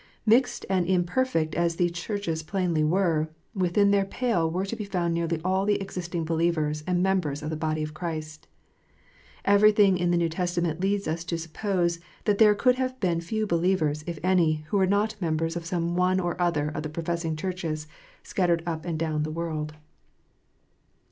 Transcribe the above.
Mixed and imperfect as these Churches plainly were, within their pale were to be found nearly all the existing believers and members of the body of Christ. Everything in the New Testament leads us to suppose that there could have been few believers, if any, who were not members of some one or other of the professing Churches scattered up and down the world.